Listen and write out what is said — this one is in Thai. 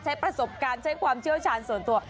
ใช้ประสบการณ์ใช้ความเชี่ยวชาญส่วนตัว